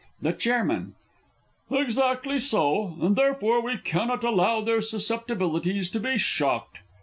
The Ch. Exactly so; and therefore we cannot allow their susceptibilities to be shocked.